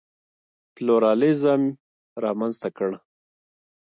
پلورالېزم رامنځته کړ.